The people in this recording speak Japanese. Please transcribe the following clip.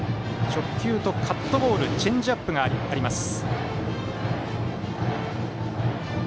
直球とカットボールチェンジアップがあります。